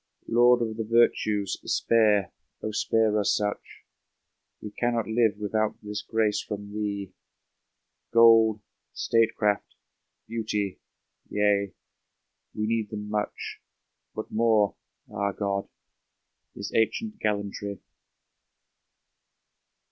Lord of the virtues, spare, spare us such ! We cannot live without this grace from thee ; Gold, statecraft, beauty — ^yea, we need them much, But more — ^ah, God! — ^this ancient gallantry!